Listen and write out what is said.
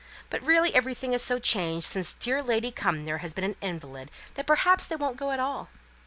But really everything is so changed since dear Lady Cumnor has been an invalid that, perhaps, they won't go at all."